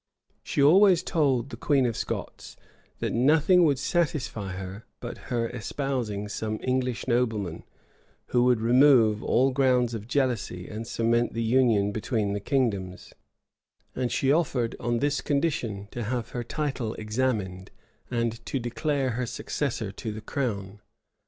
[] She always told the queen of Scots, that nothing would satisfy her but her espousing some English nobleman, who would remove all grounds of jealousy, and cement the union between the kingdoms; and she offered on this condition to have her title examined, and to declare her successor to the crown.